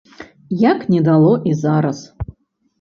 Як не дало і зараз.